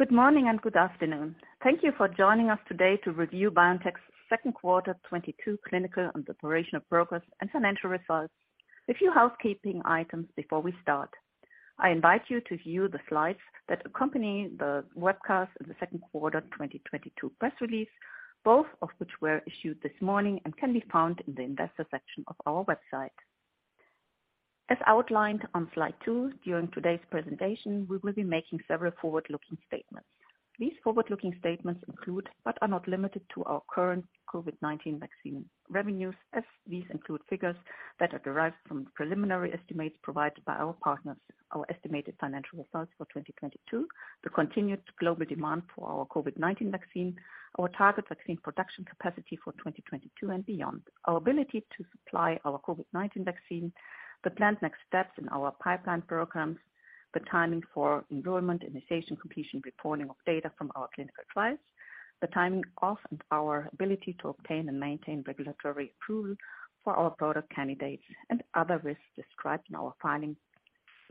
Good morning and good afternoon. Thank you for joining us today to review BioNTech's second quarter 2022 clinical and operational progress and financial results. A few housekeeping items before we start. I invite you to view the slides that accompany the webcast of the second quarter 2022 press release, both of which were issued this morning and can be found in the investor section of our website. As outlined on slide two, during today's presentation, we will be making several forward-looking statements. These forward-looking statements include, but are not limited to, our current COVID-19 vaccine revenues, as these include figures that are derived from preliminary estimates provided by our partners, our estimated financial results for 2022, the continued global demand for our COVID-19 vaccine, our target vaccine production capacity for 2022 and beyond, our ability to supply our COVID-19 vaccine, the planned next steps in our pipeline programs, the timing for enrollment, initiation, completion, reporting of data from our clinical trials, the timing of and our ability to obtain and maintain regulatory approval for our product candidates, and other risks described in our filings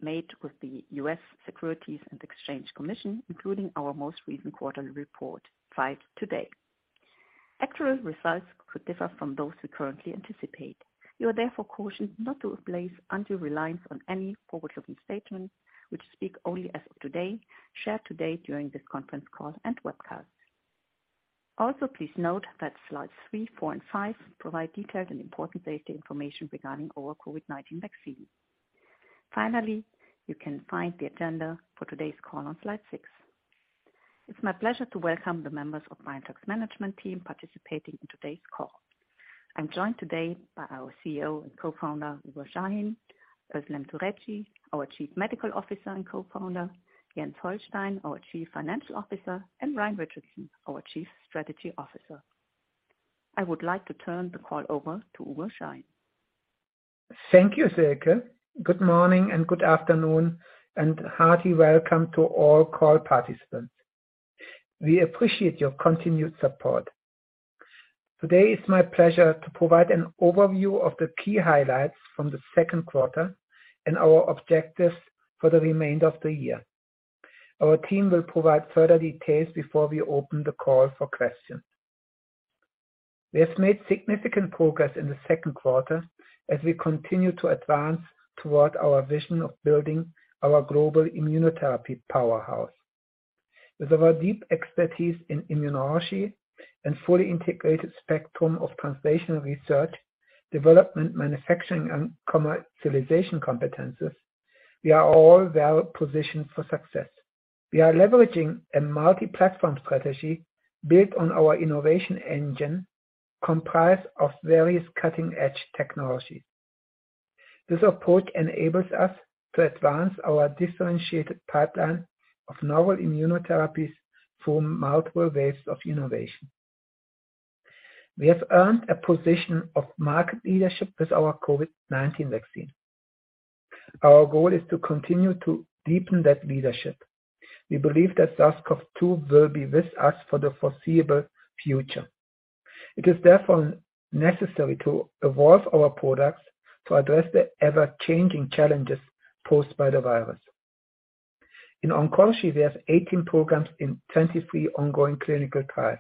made with the U.S. Securities and Exchange Commission, including our most recent quarterly report filed today. Actual results could differ from those we currently anticipate. You are therefore cautioned not to place undue reliance on any forward-looking statements which speak only as of today, shared today during this conference call and webcast. Also, please note that slides three, four, and five provide detailed and important safety information regarding our COVID-19 vaccine. Finally, you can find the agenda for today's call on slide six. It's my pleasure to welcome the members of BioNTech's management team participating in today's call. I'm joined today by our CEO and Co-Founder, Ugur Sahin, Özlem Türeci, our Chief Medical Officer and Co-Founder, Jens Holstein, our Chief Financial Officer, and Ryan Richardson, our Chief Strategy Officer. I would like to turn the call over to Ugur Sahin. Thank you, Sylke. Good morning and good afternoon, and hearty welcome to all call participants. We appreciate your continued support. Today, it's my pleasure to provide an overview of the key highlights from the second quarter and our objectives for the remainder of the year. Our team will provide further details before we open the call for questions. We have made significant progress in the second quarter as we continue to advance toward our vision of building our global immunotherapy powerhouse. With our deep expertise in immunology and fully integrated spectrum of translational research, development, manufacturing, and commercialization competencies, we are all well-positioned for success. We are leveraging a multi-platform strategy built on our innovation engine comprised of various cutting-edge technologies. This approach enables us to advance our differentiated pipeline of novel immunotherapies through multiple waves of innovation. We have earned a position of market leadership with our COVID-19 vaccine. Our goal is to continue to deepen that leadership. We believe that SARS-CoV-2 will be with us for the foreseeable future. It is therefore necessary to evolve our products to address the ever-changing challenges posed by the virus. In oncology, we have 18 programs in 23 ongoing clinical trials,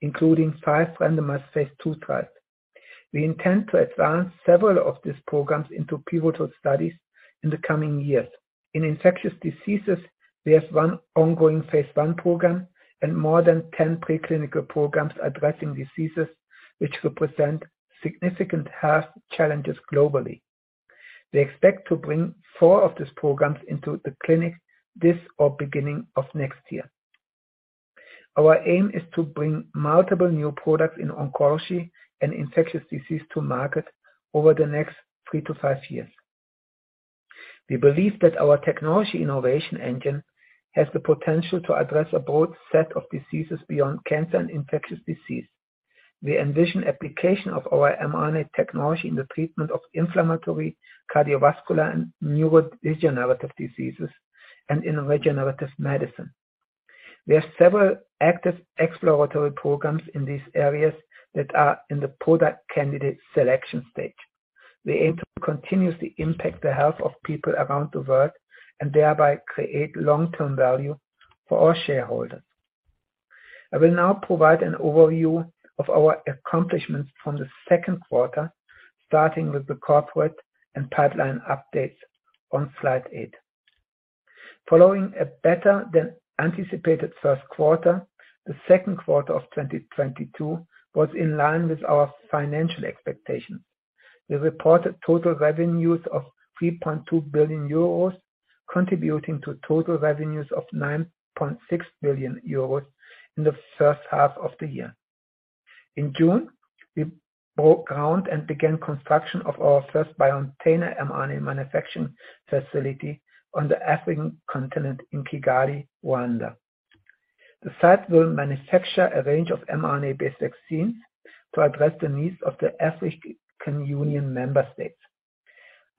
including five randomized phase II trials. We intend to advance several of these programs into pivotal studies in the coming years. In infectious diseases, we have one ongoing phase I program and more than 10 pre-clinical programs addressing diseases which will present significant health challenges globally. We expect to bring four of these programs into the clinic this or beginning of next year. Our aim is to bring multiple new products in oncology and infectious disease to market over the next three to five years. We believe that our technology innovation engine has the potential to address a broad set of diseases beyond cancer and infectious disease. We envision application of our mRNA technology in the treatment of inflammatory, cardiovascular, and neurodegenerative diseases and in regenerative medicine. We have several active exploratory programs in these areas that are in the product candidate selection stage. We aim to continuously impact the health of people around the world and thereby create long-term value for all shareholders. I will now provide an overview of our accomplishments from the second quarter, starting with the corporate and pipeline updates on slide eight. Following a better than anticipated first quarter, the second quarter of 2022 was in line with our financial expectations. We reported total revenues of 3.2 billion euros, contributing to total revenues of 9.6 billion euros in the first half of the year. In June, we broke ground and began construction of our first BioNTech mRNA manufacturing facility on the African continent in Kigali, Rwanda. The site will manufacture a range of mRNA-based vaccines to address the needs of the African Union member states.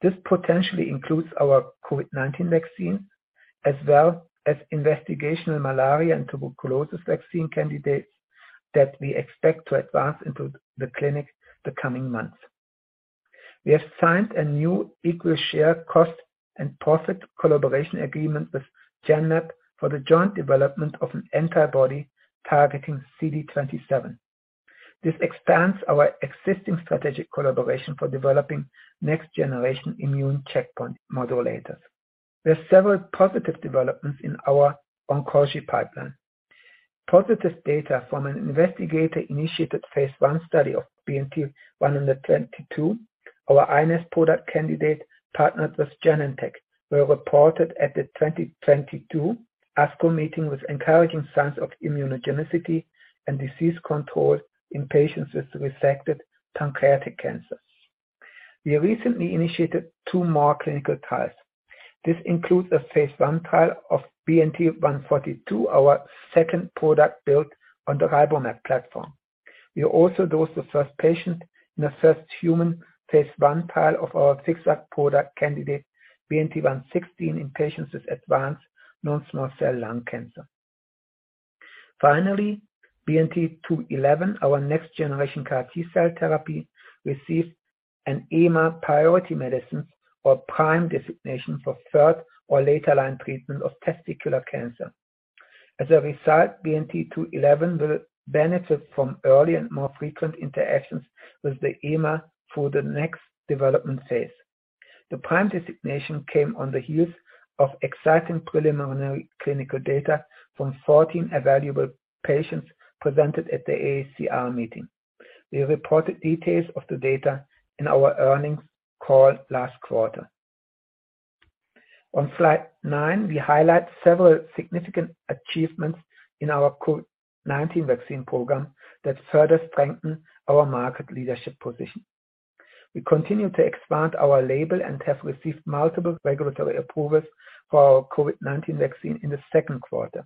This potentially includes our COVID-19 vaccine, as well as investigational malaria and tuberculosis vaccine candidates that we expect to advance into the clinic the coming months. We have signed a new equal share cost and profit collaboration agreement with Genmab for the joint development of an antibody targeting CD27. This expands our existing strategic collaboration for developing next generation immune checkpoint modulators. There are several positive developments in our oncology pipeline. Positive data from an investigator-initiated phase I study of BNT122, our iNeST product candidate partnered with Genentech, were reported at the 2022 ASCO meeting with encouraging signs of immunogenicity and disease control in patients with advanced pancreatic cancers. We recently initiated two more clinical trials. This includes a phase I trial of BNT142, our second product built on the RiboMab platform. We also dosed the first patient in the first-in-human phase I trial of our FixVac product candidate BNT116 in patients with advanced non-small cell lung cancer. Finally, BNT211, our next-generation CAR T-cell therapy, received an EMA priority medicine or PRIME designation for third- or later-line treatment of testicular cancer. As a result, BNT211 will benefit from early and more frequent interactions with the EMA for the next development phase. The PRIME designation came on the heels of exciting preliminary clinical data from 14 evaluable patients presented at the AACR meeting. We reported details of the data in our earnings call last quarter. On slide nine, we highlight several significant achievements in our COVID-19 vaccine program that further strengthen our market leadership position. We continue to expand our label and have received multiple regulatory approvals for our COVID-19 vaccine in the second quarter.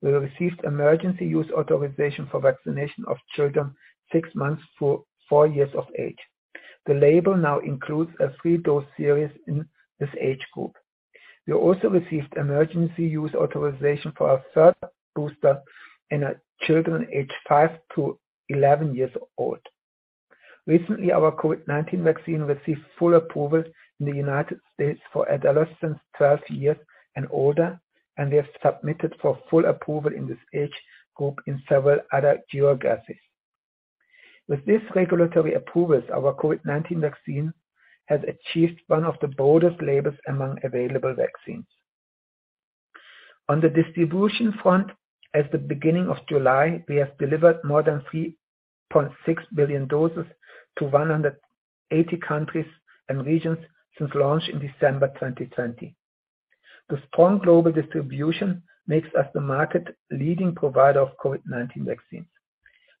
We received emergency use authorization for vaccination of children six months to four years of age. The label now includes a three-dose series in this age group. We also received emergency use authorization for our third booster in children aged five to 11 years old. Recently, our COVID-19 vaccine received full approval in the United States for adolescents 12 years and older, and we have submitted for full approval in this age group in several other geographies. With these regulatory approvals, our COVID-19 vaccine has achieved one of the broadest labels among available vaccines. On the distribution front, as of the beginning of July, we have delivered more than 3.6 billion doses to 180 countries and regions since launch in December 2020. The strong global distribution makes us the market leading provider of COVID-19 vaccines.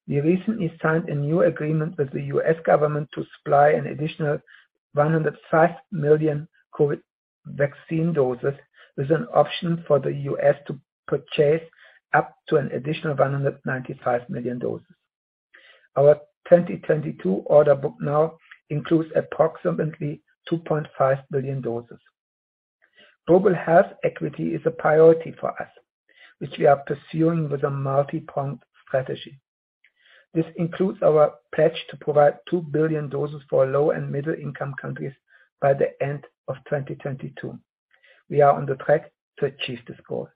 We recently signed a new agreement with the U.S. government to supply an additional 105 million COVID vaccine doses with an option for the U.S. to purchase up to an additional 195 million doses. Our 2022 order book now includes approximately 2.5 billion doses. Global health equity is a priority for us, which we are pursuing with a multi-pronged strategy. This includes our pledge to provide 2 billion doses for low- and middle-income countries by the end of 2022. We are on track to achieve this goal.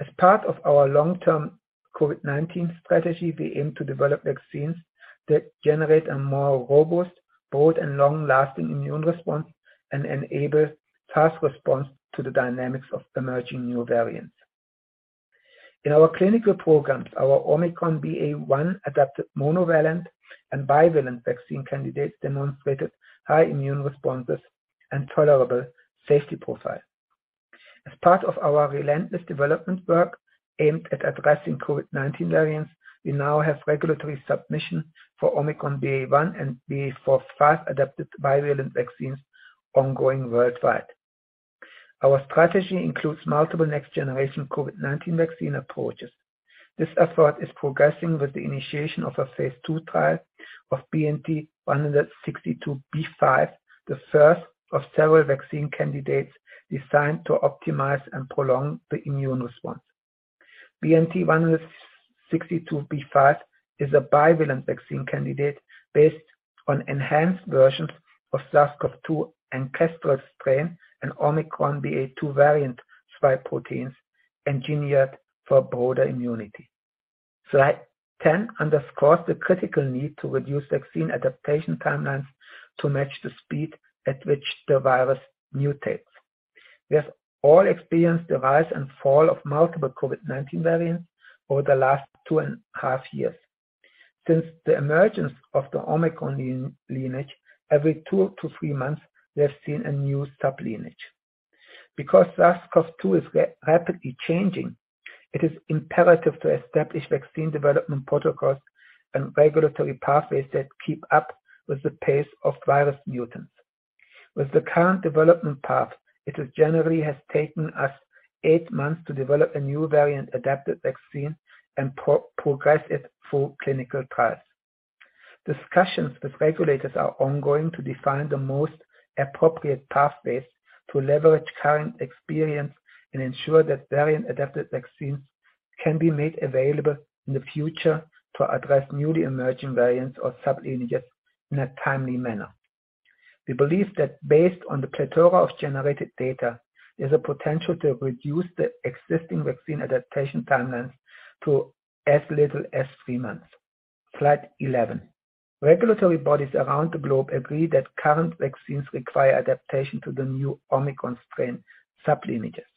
As part of our long-term COVID-19 strategy, we aim to develop vaccines that generate a more robust, broad and long-lasting immune response and enable fast response to the dynamics of emerging new variants. In our clinical programs, our Omicron BA.1-adapted monovalent and bivalent vaccine candidates demonstrated high immune responses and tolerable safety profile. As part of our relentless development work aimed at addressing COVID-19 variants, we now have regulatory submission for Omicron BA.1 and BA.4/5-adapted bivalent vaccines ongoing worldwide. Our strategy includes multiple next-generation COVID-19 vaccine approaches. This effort is progressing with the initiation of a phase II trial of BNT162b5, the first of several vaccine candidates designed to optimize and prolong the immune response. BNT162b5 is a bivalent vaccine candidate based on enhanced versions of SARS-CoV-2 ancestral strain and Omicron BA.2 variant spike proteins engineered for broader immunity. Slide 10 underscores the critical need to reduce vaccine adaptation timelines to match the speed at which the virus mutates. We have all experienced the rise and fall of multiple COVID-19 variants over the last two and a half years. Since the emergence of the Omicron lineage, every two to three months we have seen a new sublineage. Because SARS-CoV-2 is rapidly changing, it is imperative to establish vaccine development protocols and regulatory pathways that keep up with the pace of virus mutations. With the current development path, it generally has taken us eight months to develop a new variant adapted vaccine and progress it through clinical trials. Discussions with regulators are ongoing to define the most appropriate pathways to leverage current experience and ensure that variant adapted vaccines can be made available in the future to address newly emerging variants or sublineages in a timely manner. We believe that based on the plethora of generated data, there's a potential to reduce the existing vaccine adaptation timelines to as little as three months. Slide 11. Regulatory bodies around the globe agree that current vaccines require adaptation to the new Omicron strain sublineages.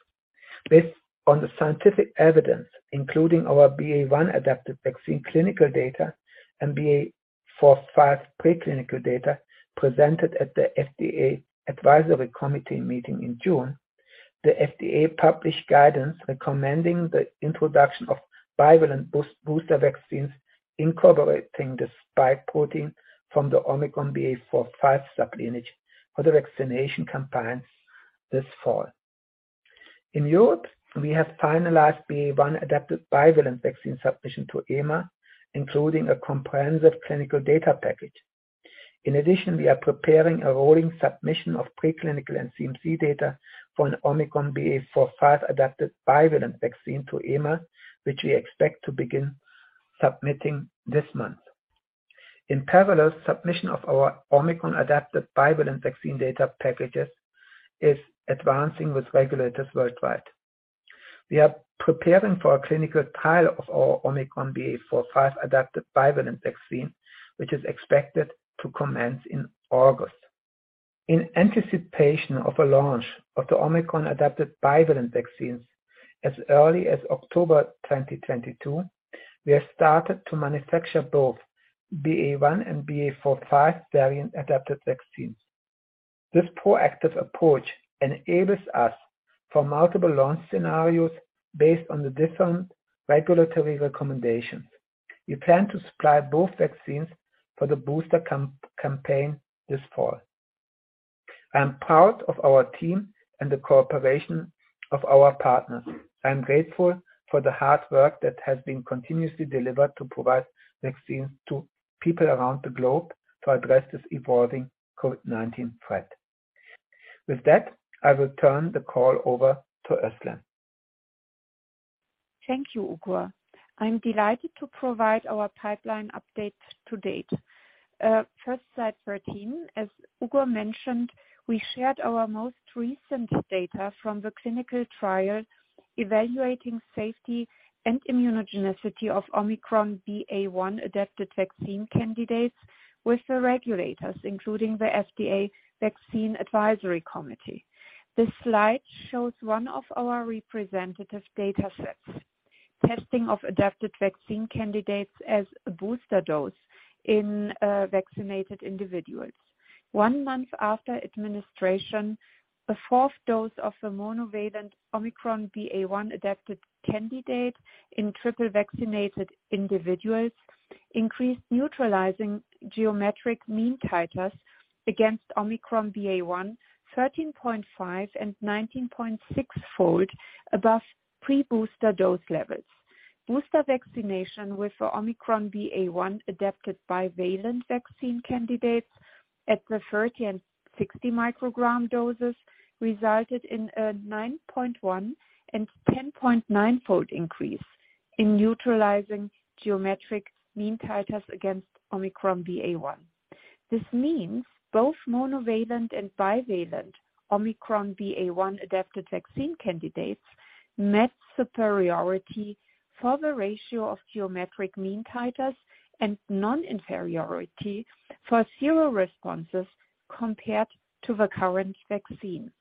Based on the scientific evidence, including our BA.1 adapted vaccine clinical data and BA.4/5 preclinical data presented at the FDA Advisory Committee meeting in June, the FDA published guidance recommending the introduction of bivalent booster vaccines incorporating the spike protein from the Omicron BA.4/5 sublineage for the vaccination campaigns this fall. In Europe, we have finalized BA.1 adapted bivalent vaccine submission to EMA, including a comprehensive clinical data package. In addition, we are preparing a rolling submission of preclinical and CMC data for an Omicron BA.4/5 adapted bivalent vaccine to EMA, which we expect to begin submitting this month. In parallel, submission of our Omicron adapted bivalent vaccine data packages is advancing with regulators worldwide. We are preparing for a clinical trial of our Omicron BA.4/5 adapted bivalent vaccine, which is expected to commence in August. In anticipation of a launch of the Omicron adapted bivalent vaccines as early as October 2022, we have started to manufacture both BA.1 and BA.4/5 variant adapted vaccines. This proactive approach enables us for multiple launch scenarios based on the different regulatory recommendations. We plan to supply both vaccines for the booster campaign this fall. I am proud of our team and the cooperation of our partners. I am grateful for the hard work that has been continuously delivered to provide vaccines to people around the globe to address this evolving COVID-19 threat. With that, I will turn the call over to Özlem. Thank you, Ugur. I'm delighted to provide our pipeline updates to date. First, slide 13. As Ugur mentioned, we shared our most recent data from the clinical trial evaluating safety and immunogenicity of Omicron BA.1 adapted vaccine candidates with the regulators, including the FDA Vaccine Advisory Committee. This slide shows one of our representative data sets, testing of adapted vaccine candidates as a booster dose in vaccinated individuals. One month after administration, the fourth dose of the monovalent Omicron BA.1 adapted candidate in triple vaccinated individuals increased neutralizing geometric mean titers against Omicron BA.1 13.5 and 19.6-fold above pre-booster dose levels. Booster vaccination with the Omicron BA.1 adapted bivalent vaccine candidates at the 30 µg and 60 µg doses resulted in a 9.1 and 10.9-fold increase in neutralizing geometric mean titers against Omicron BA.1. This means both monovalent and bivalent Omicron BA.1 adapted vaccine candidates met superiority for the ratio of geometric mean titers and non-inferiority for seroresponses compared to the current vaccine.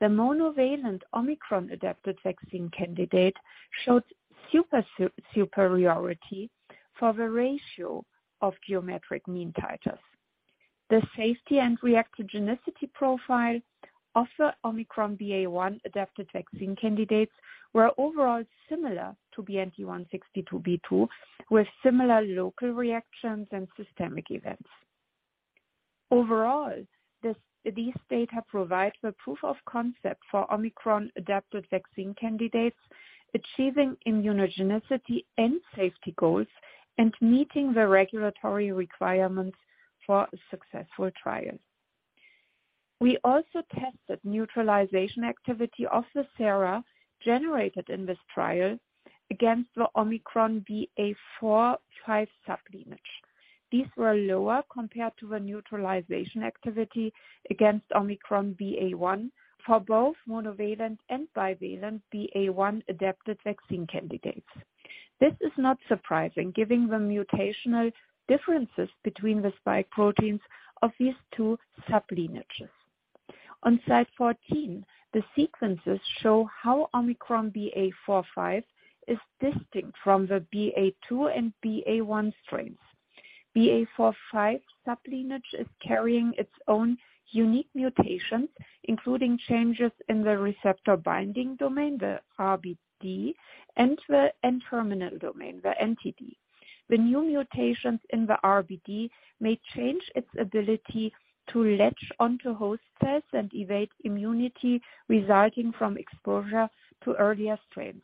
The monovalent Omicron adapted vaccine candidate showed superiority for the ratio of geometric mean titers. The safety and reactogenicity profile of the Omicron BA.1 adapted vaccine candidates were overall similar to BNT162b2, with similar local reactions and systemic events. Overall, these data provide the proof of concept for Omicron adapted vaccine candidates achieving immunogenicity and safety goals and meeting the regulatory requirements for a successful trial. We also tested neutralization activity of the sera generated in this trial against the Omicron BA.4/5 sublineage. These were lower compared to the neutralization activity against Omicron BA.1 for both monovalent and bivalent BA.1 adapted vaccine candidates. This is not surprising given the mutational differences between the spike proteins of these two sublineages. On slide 14, the sequences show how Omicron BA.4/5 is distinct from the BA.2 and BA.1 strains. BA.4/5 sublineage is carrying its own unique mutations, including changes in the receptor binding domain, the RBD, and the N-terminal domain, the NTD. The new mutations in the RBD may change its ability to latch onto host cells and evade immunity resulting from exposure to earlier strains.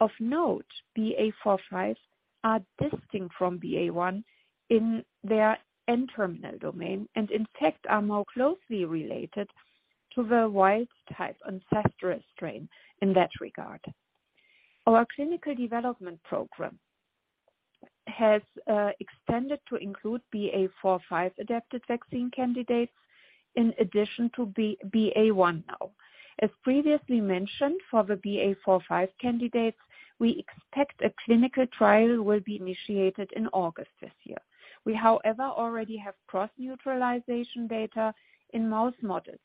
Of note, BA.4/5 are distinct from BA.1 in their N-terminal domain and in fact are more closely related to the wild type ancestral strain in that regard. Our clinical development program has extended to include BA.4/5 adapted vaccine candidates in addition to BA.1 now. As previously mentioned, for the BA.4/5 candidates, we expect a clinical trial will be initiated in August this year. We, however, already have cross neutralization data in mouse models.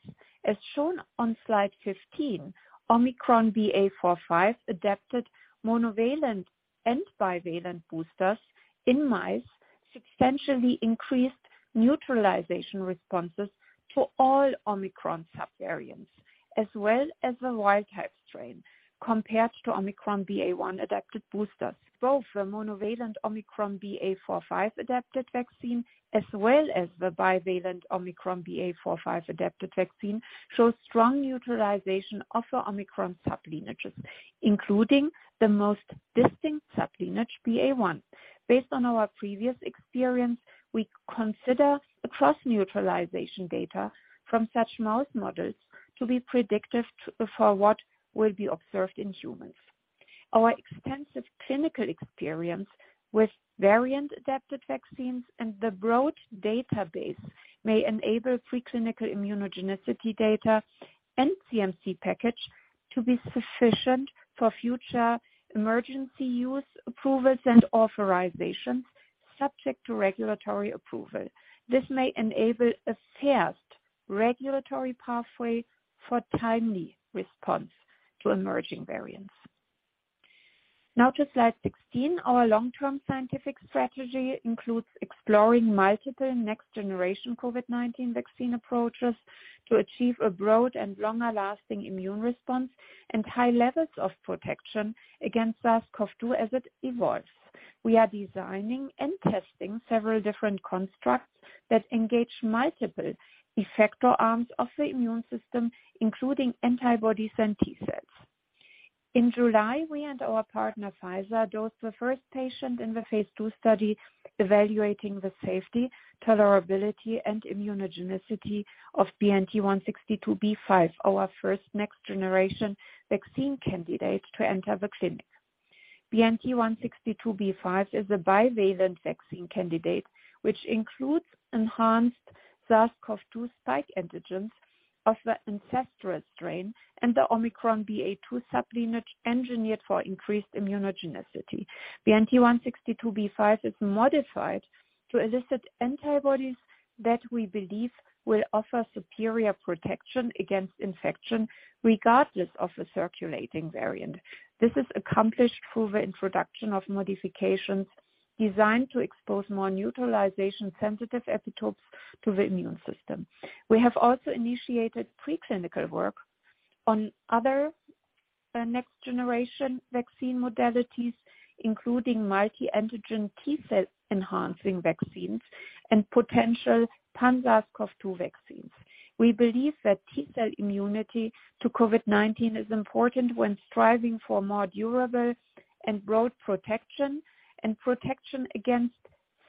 As shown on slide 15, Omicron BA.4/5 adapted monovalent and bivalent boosters in mice substantially increased neutralization responses to all Omicron subvariants, as well as the wild type strain compared to Omicron BA.1 adapted boosters. Both the monovalent Omicron BA.4/5 adapted vaccine, as well as the bivalent Omicron BA.4/5 adapted vaccine, show strong neutralization of the Omicron sub lineages, including the most distinct sub lineage BA.1. Based on our previous experience, we consider cross neutralization data from such mouse models to be predictive for what will be observed in humans. Our extensive clinical experience with variant adapted vaccines and the broad database may enable preclinical immunogenicity data and CMC package to be sufficient for future emergency use approvals and authorizations subject to regulatory approval. This may enable a fast regulatory pathway for timely response to emerging variants. Now to slide 16. Our long-term scientific strategy includes exploring multiple next generation COVID-19 vaccine approaches to achieve a broad and longer lasting immune response and high levels of protection against SARS-CoV-2 as it evolves. We are designing and testing several different constructs that engage multiple effector arms of the immune system, including antibodies and T-cells. In July, we and our partner, Pfizer, dosed the first patient in the phase II study evaluating the safety, tolerability, and immunogenicity of BNT162b5, our first next generation vaccine candidate to enter the clinic. BNT162b5 is a bivalent vaccine candidate, which includes enhanced SARS-CoV-2 spike antigens of the ancestral strain and the Omicron BA.2 sublineage engineered for increased immunogenicity. BNT162b5 is modified to elicit antibodies that we believe will offer superior protection against infection regardless of the circulating variant. This is accomplished through the introduction of modifications designed to expose more neutralization sensitive epitopes to the immune system. We have also initiated pre-clinical work on other next generation vaccine modalities, including multi-antigen T-cell enhancing vaccines and potential pan SARS-CoV-2 vaccines. We believe that T-cell immunity to COVID-19 is important when striving for more durable and broad protection, and protection against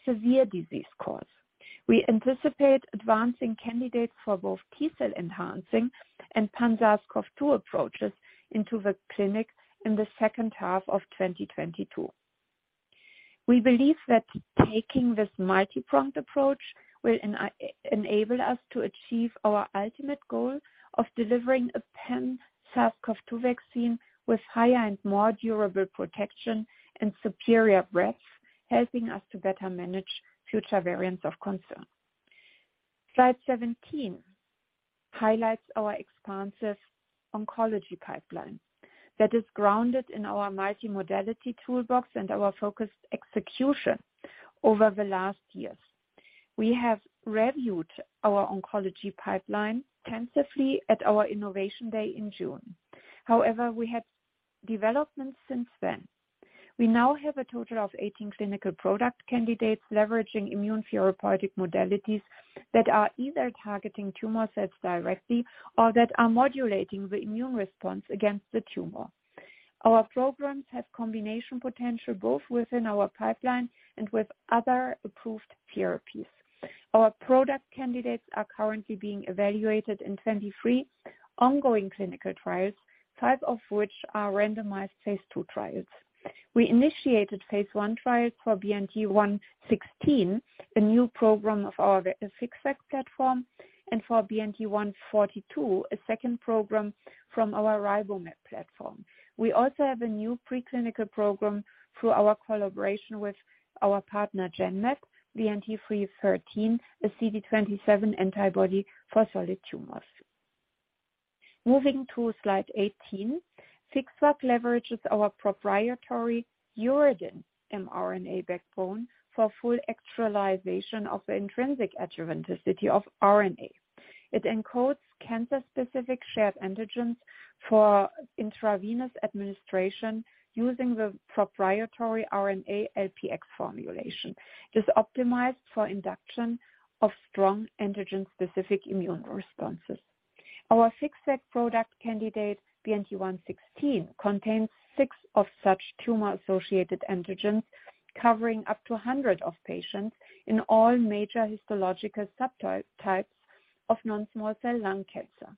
severe disease cause. We anticipate advancing candidates for both T-cell enhancing and pan SARS-CoV-2 approaches into the clinic in the second half of 2022. We believe that taking this multipronged approach will enable us to achieve our ultimate goal of delivering a pan SARS-CoV-2 vaccine with higher and more durable protection and superior breadth, helping us to better manage future variants of concern. Slide 17 highlights our expansive oncology pipeline that is grounded in our multimodality toolbox and our focused execution over the last years. We have reviewed our oncology pipeline extensively at our innovation day in June. However, we had developments since then. We now have a total of 18 clinical product candidates leveraging immune therapeutic modalities that are either targeting tumor cells directly or that are modulating the immune response against the tumor. Our programs have combination potential, both within our pipeline and with other approved therapies. Our product candidates are currently being evaluated in 23 ongoing clinical trials, five of which are randomized phase II trials. We initiated phase I trial for BNT116, a new program of our FixVac platform, and for BNT142, a second program from our RiboMab platform. We also have a new pre-clinical program through our collaboration with our partner Genmab, BNT313, a CD27 antibody for solid tumors. Moving to slide 18. FixVac leverages our proprietary uridine mRNA backbone for full externalization of the intrinsic adjuvanticity of RNA. It encodes cancer-specific shared antigens for intravenous administration using the proprietary RNA-LPX formulation. It's optimized for induction of strong antigen-specific immune responses. Our FixVac product candidate, BNT116, contains six of such tumor-associated antigens, covering up to 100% of patients in all major histological subtypes of non-small cell lung cancer.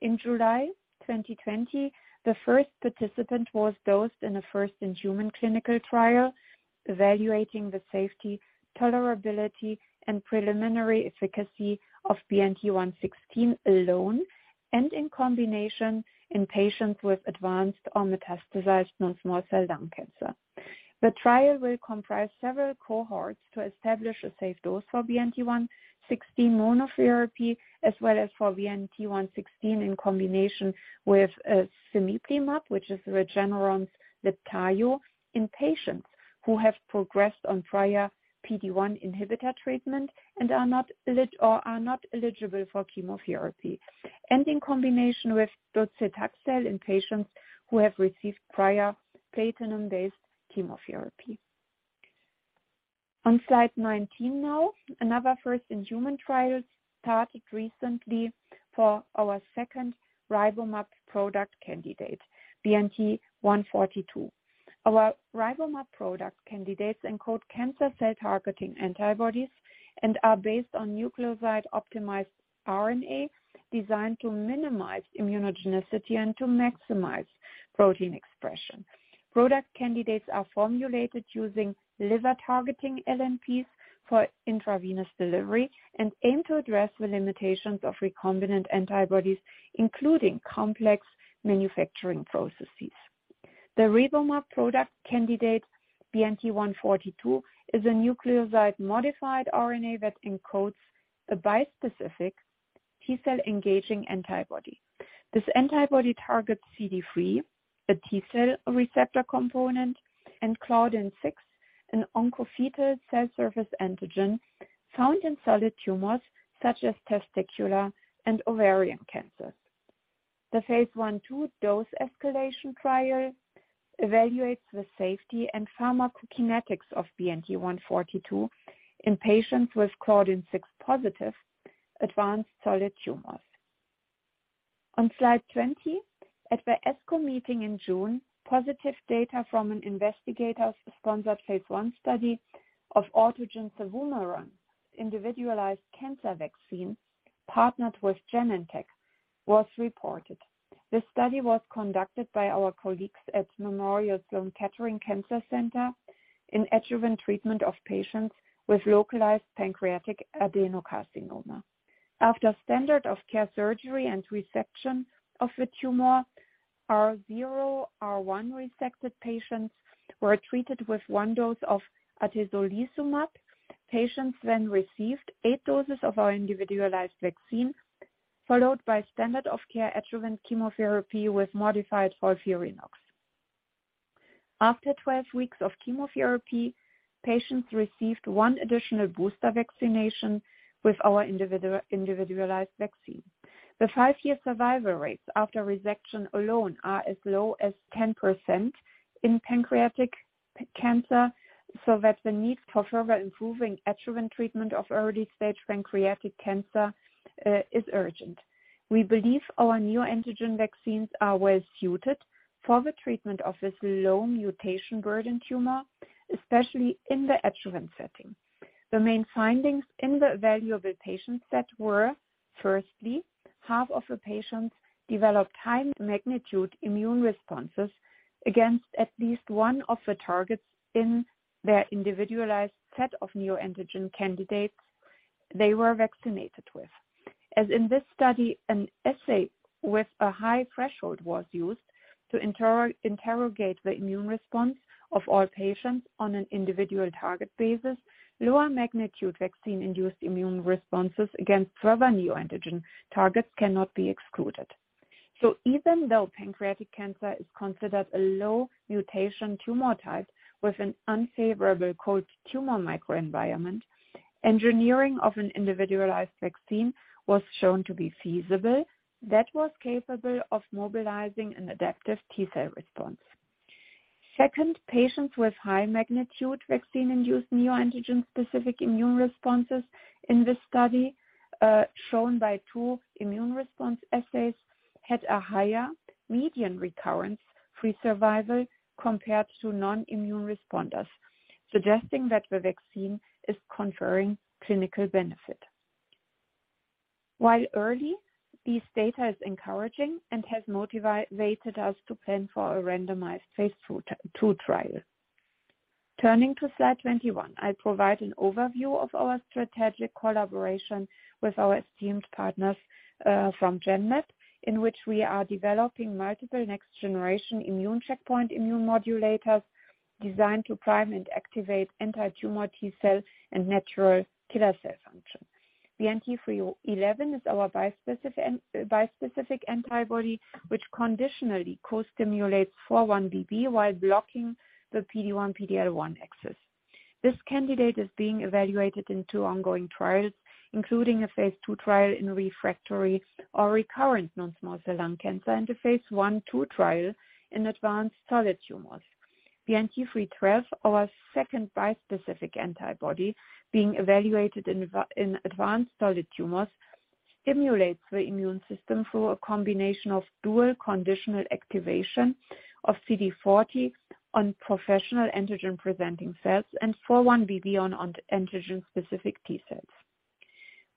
In July 2020, the first participant was dosed in a first-in-human clinical trial, evaluating the safety, tolerability, and preliminary efficacy of BNT116 alone and in combination in patients with advanced or metastasized non-small cell lung cancer. The trial will comprise several cohorts to establish a safe dose for BNT116 monotherapy, as well as for BNT116 in combination with cemiplimab, which is Regeneron's Libtayo, in patients who have progressed on prior PD-1 inhibitor treatment and are not eligible for chemotherapy, and in combination with docetaxel in patients who have received prior platinum-based chemotherapy. On slide 19 now. Another first-in-human trial started recently for our second RiboMab product candidate, BNT142. Our RiboMab product candidates encode cancer cell targeting antibodies and are based on nucleoside-optimized RNA designed to minimize immunogenicity and to maximize protein expression. Product candidates are formulated using liver targeting LNPs for intravenous delivery and aim to address the limitations of recombinant antibodies, including complex manufacturing processes. The RiboMab product candidate BNT142 is a nucleoside-modified RNA that encodes a bispecific T-cell engaging antibody. This antibody targets CD3, a T-cell receptor component, and CLDN6, an oncofetal cell surface antigen found in solid tumors such as testicular and ovarian cancer. The phase I/II dose escalation trial evaluates the safety and pharmacokinetics of BNT142 in patients with CLDN6 positive advanced solid tumors. On slide 20, at the ASCO meeting in June, positive data from an investigator-sponsored phase I study of autogene cevumeran individualized cancer vaccine partnered with Genentech was reported. This study was conducted by our colleagues at Memorial Sloan Kettering Cancer Center in adjuvant treatment of patients with localized pancreatic adenocarcinoma. After standard of care surgery and resection of the tumor, R0/R1 resected patients were treated with one dose of atezolizumab. Patients then received eight doses of our individualized vaccine, followed by standard of care adjuvant chemotherapy with modified FOLFIRINOX. After 12 weeks of chemotherapy, patients received one additional booster vaccination with our individualized vaccine. The five-year survival rates after resection alone are as low as 10% in pancreatic cancer, so that the need for further improving adjuvant treatment of early-stage pancreatic cancer is urgent. We believe our neoantigen vaccines are well suited for the treatment of this low mutation burden tumor, especially in the adjuvant setting. The main findings in the evaluable patient set were, firstly, half of the patients developed high magnitude immune responses against at least one of the targets in their individualized set of neoantigen candidates they were vaccinated with. As in this study, an assay with a high threshold was used to interrogate the immune response of all patients on an individual target basis. Lower magnitude vaccine-induced immune responses against further neoantigen targets cannot be excluded. Even though pancreatic cancer is considered a low mutation tumor type with an unfavorable cold tumor microenvironment, engineering of an individualized vaccine was shown to be feasible that was capable of mobilizing an adaptive T-cell response. Second, patients with high magnitude vaccine-induced neoantigen-specific immune responses in this study, shown by two immune response assays, had a higher median recurrence-free survival compared to non-immune responders, suggesting that the vaccine is conferring clinical benefit. While early, this data is encouraging and has motivated us to plan for a randomized phase II trial. Turning to slide 21, I provide an overview of our strategic collaboration with our esteemed partners from Genmab, in which we are developing multiple next-generation immune checkpoint immune modulators designed to prime and activate antitumor T-cell and natural killer cell function. BNT311 is our bispecific antibody, which conditionally co-stimulates 4-1BB while blocking the PD-1, PD-L1 axis. This candidate is being evaluated in two ongoing trials, including a phase II trial in refractory or recurrent non-small cell lung cancer and a phase I/II trial in advanced solid tumors. BNT312, our second bispecific antibody being evaluated in advanced solid tumors, simulates the immune system through a combination of dual conditional activation of CD40 on professional antigen-presenting cells and 4-1BB on antigen-specific T-cells.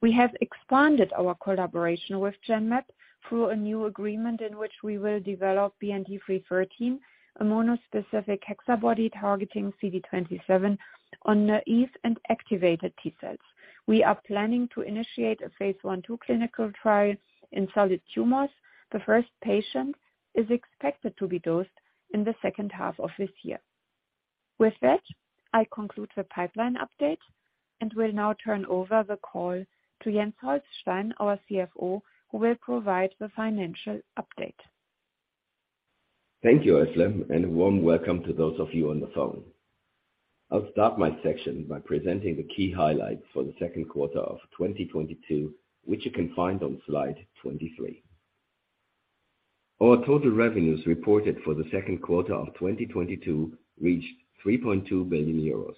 We have expanded our collaboration with Genmab through a new agreement in which we will develop BNT313, a monospecific HexaBody targeting CD27 on naive and activated T-cells. We are planning to initiate a phase I/II clinical trial in solid tumors. The first patient is expected to be dosed in the second half of this year. With that, I conclude the pipeline update and will now turn over the call to Jens Holstein, our CFO, who will provide the financial update. Thank you, Özlem, and a warm welcome to those of you on the phone. I'll start my section by presenting the key highlights for the second quarter of 2022, which you can find on slide 23. Our total revenues reported for the second quarter of 2022 reached 3.2 billion euros.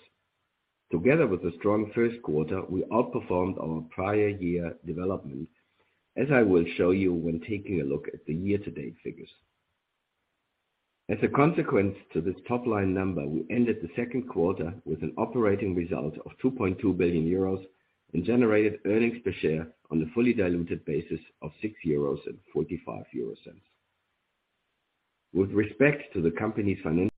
Together with the strong first quarter, we outperformed our prior year development, as I will show you when taking a look at the year-to-date figures. As a consequence to this top-line number, we ended the second quarter with an operating result of 2.2 billion euros and generated earnings per share on the fully diluted basis of 6.45 euros. With respect to the company's financial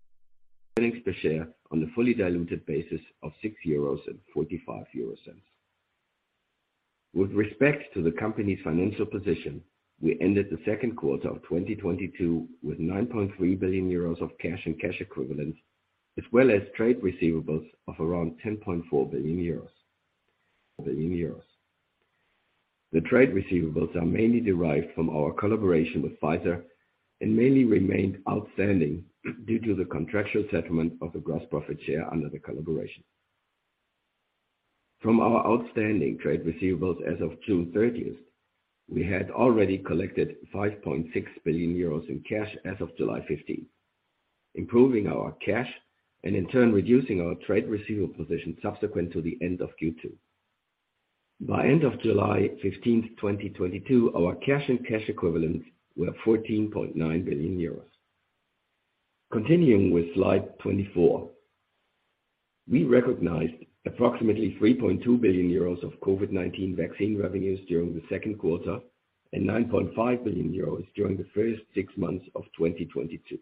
position, we ended the second quarter of 2022 with 9.3 billion euros of cash and cash equivalents, as well as trade receivables of around 10.4 billion euros. The trade receivables are mainly derived from our collaboration with Pfizer and mainly remained outstanding due to the contractual settlement of the gross profit share under the collaboration. From our outstanding trade receivables as of June 30th, we had already collected 5.6 billion euros in cash as of July 15th, 2022, improving our cash and in turn reducing our trade receivable position subsequent to the end of Q2. By end of July 15th, 2022, our cash and cash equivalents were 14.9 billion euros. Continuing with slide 24. We recognized approximately 3.2 billion euros of COVID-19 vaccine revenues during the second quarter, and 9.5 billion euros during the first six months of 2022.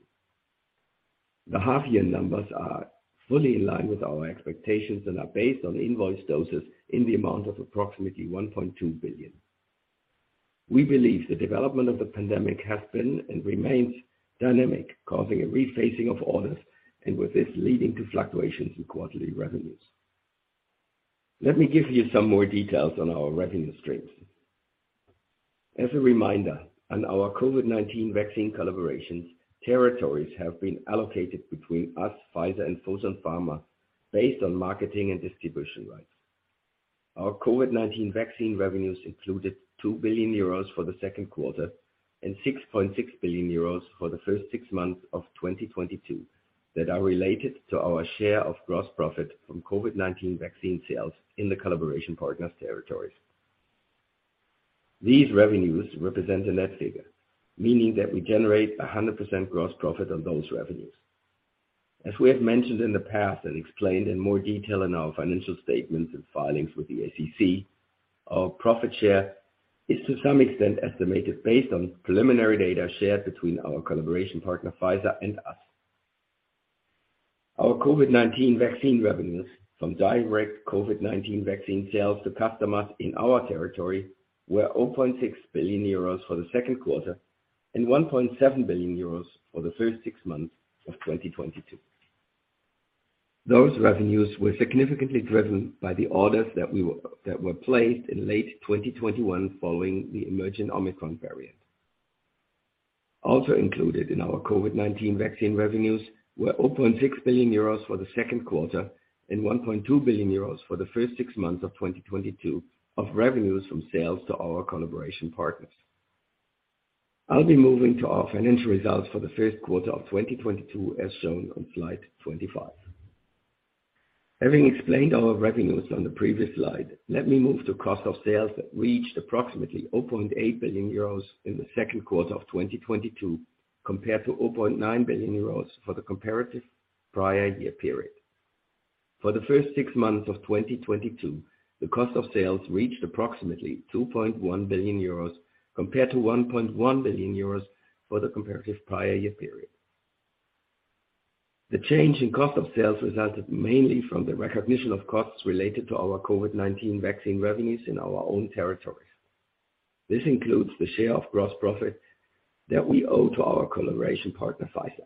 The half-year numbers are fully in line with our expectations and are based on invoiced doses in the amount of approximately 1.2 billion. We believe the development of the pandemic has been and remains dynamic, causing a rephasing of orders and with this leading to fluctuations in quarterly revenues. Let me give you some more details on our revenue streams. As a reminder, on our COVID-19 vaccine collaborations, territories have been allocated between us, Pfizer and Fosun Pharma based on marketing and distribution rights. Our COVID-19 vaccine revenues included 2 billion euros for the second quarter and 6.6 billion euros for the first six months of 2022 that are related to our share of gross profit from COVID-19 vaccine sales in the collaboration partners' territories. These revenues represent a net figure, meaning that we generate 100% gross profit on those revenues. As we have mentioned in the past and explained in more detail in our financial statements and filings with the SEC, our profit share is to some extent estimated based on preliminary data shared between our collaboration partner, Pfizer, and us. Our COVID-19 vaccine revenues from direct COVID-19 vaccine sales to customers in our territory were 0.6 billion euros for the second quarter and 1.7 billion euros for the first six months of 2022. Those revenues were significantly driven by the orders that were placed in late 2021 following the emergent Omicron variant. Also included in our COVID-19 vaccine revenues were 0.6 billion euros for the second quarter and 1.2 billion euros for the first six months of 2022 of revenues from sales to our collaboration partners. I'll be moving to our financial results for the first quarter of 2022, as shown on slide 25. Having explained our revenues on the previous slide, let me move to cost of sales that reached approximately 0.8 billion euros in the second quarter of 2022, compared to 0.9 billion euros for the comparative prior year period. For the first six months of 2022, the cost of sales reached approximately 2.1 billion euros, compared to 1.1 billion euros for the comparative prior year period. The change in cost of sales resulted mainly from the recognition of costs related to our COVID-19 vaccine revenues in our own territories. This includes the share of gross profit that we owe to our collaboration partner, Pfizer.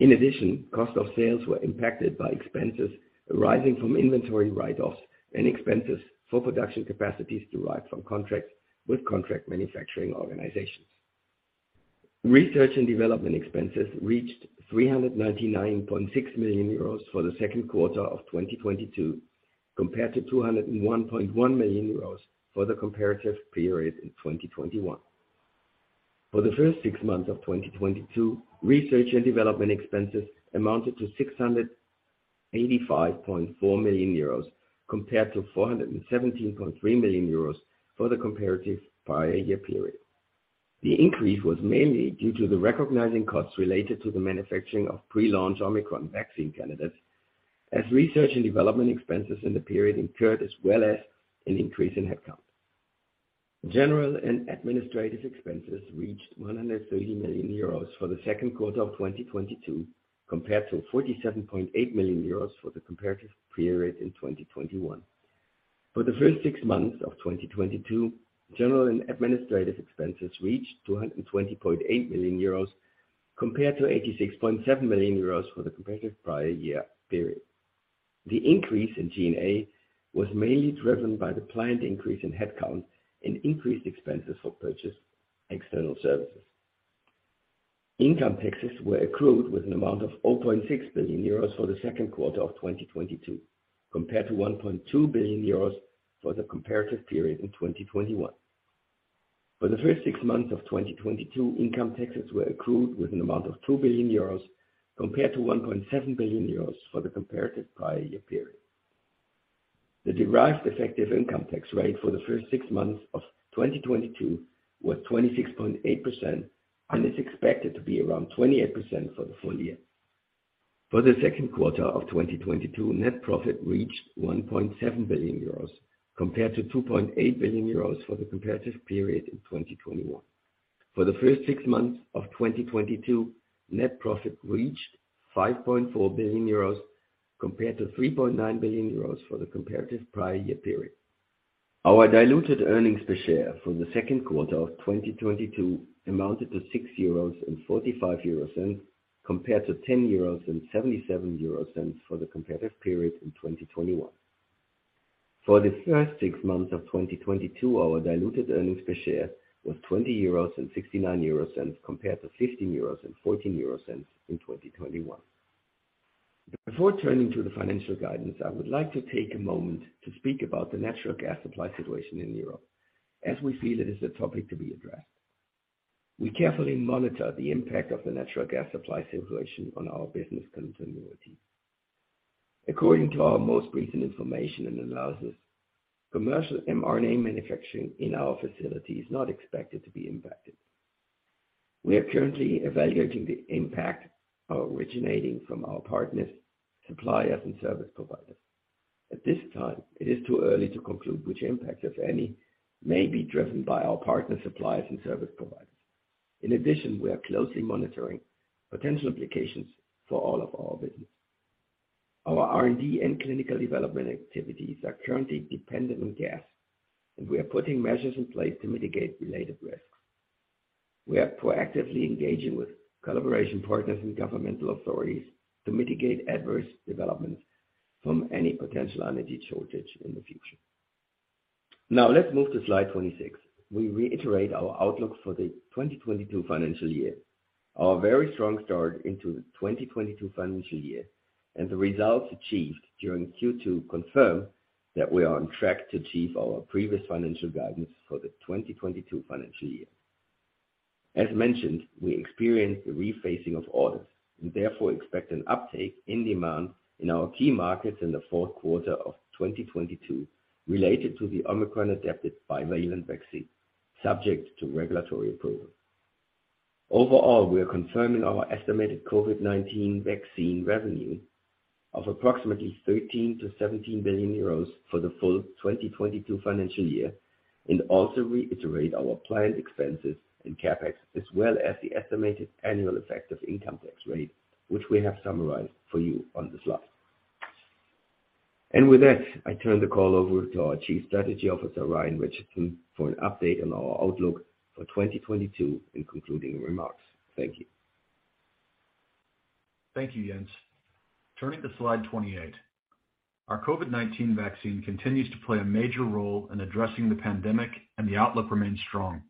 In addition, cost of sales were impacted by expenses arising from inventory write-offs and expenses for production capacities derived from contracts with contract manufacturing organizations. Research and development expenses reached 399.6 million euros for the second quarter of 2022, compared to 201.1 million euros for the comparative period in 2021. For the first six months of 2022, research and development expenses amounted to 685.4 million euros compared to 417.3 million euros for the comparative prior year period. The increase was mainly due to the recognition of costs related to the manufacturing of pre-launch Omicron vaccine candidates as research and development expenses in the period incurred, as well as an increase in headcount. General and administrative expenses reached 130 million euros for the second quarter of 2022 compared to 47.8 million euros for the comparative period in 2021. For the first six months of 2022, general and administrative expenses reached 220.8 million euros compared to 86.7 million euros for the comparative prior year period. The increase in G&A was mainly driven by the planned increase in headcount and increased expenses for purchased external services. Income taxes were accrued with an amount of 0.6 billion euros for the second quarter of 2022 compared to 1.2 billion euros for the comparative period in 2021. For the first six months of 2022, income taxes were accrued with an amount of 2 billion euros compared to 1.7 billion euros for the comparative prior year period. The derived effective income tax rate for the first six months of 2022 was 26.8% and is expected to be around 28% for the full year. For the second quarter of 2022, net profit reached 1.7 billion euros compared to 2.8 billion euros for the comparative period in 2021. For the first six months of 2022, net profit reached 5.4 billion euros compared to 3.9 billion euros for the comparative prior year period. Our diluted earnings per share for the second quarter of 2022 amounted to 6.45 euros compared to 10.77 euros for the comparative period in 2021. For the first six months of 2022, our diluted earnings per share was 20.69 euros compared to 15.14 euros in 2021. Before turning to the financial guidance, I would like to take a moment to speak about the natural gas supply situation in Europe as we feel it is a topic to be addressed. We carefully monitor the impact of the natural gas supply situation on our business continuity. According to our most recent information and analysis, commercial mRNA manufacturing in our facility is not expected to be impacted. We are currently evaluating the impact originating from our partners, suppliers, and service providers. At this time, it is too early to conclude which impact, if any, may be driven by our partners, suppliers, and service providers. In addition, we are closely monitoring potential implications for all of our business. Our R&D and clinical development activities are currently dependent on gas, and we are putting measures in place to mitigate related risks. We are proactively engaging with collaboration partners and governmental authorities to mitigate adverse developments from any potential energy shortage in the future. Now let's move to slide 26. We reiterate our outlook for the 2022 financial year. Our very strong start into the 2022 financial year and the results achieved during Q2 confirm that we are on track to achieve our previous financial guidance for the 2022 financial year. As mentioned, we experienced the rephasing of orders and therefore expect an uptake in demand in our key markets in the fourth quarter of 2022 related to the Omicron adapted bivalent vaccine subject to regulatory approval. Overall, we are confirming our estimated COVID-19 vaccine revenue of approximately 13 billion-17 billion euros for the full 2022 financial year and also reiterate our planned expenses and CapEx as well as the estimated annual effective income tax rate, which we have summarized for you on the slide. With that, I turn the call over to our Chief Strategy Officer, Ryan Richardson, for an update on our outlook for 2022 and concluding remarks. Thank you. Thank you, Jens. Turning to slide 28. Our COVID-19 vaccine continues to play a major role in addressing the pandemic and the outlook remains strong.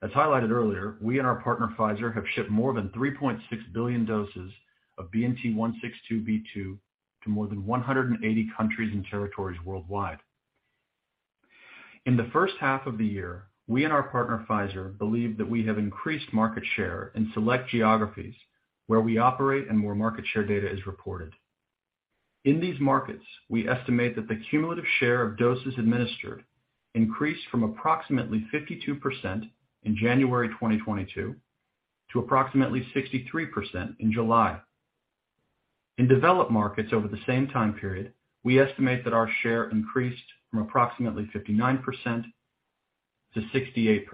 As highlighted earlier, we and our partner, Pfizer, have shipped more than 3.6 billion doses of BNT162b2 to more than 180 countries and territories worldwide. In the first half of the year, we and our partner, Pfizer, believe that we have increased market share in select geographies where we operate and where market share data is reported. In these markets, we estimate that the cumulative share of doses administered increased from approximately 52% in January 2022 to approximately 63% in July. In developed markets over the same time period, we estimate that our share increased from approximately 59% to 68%.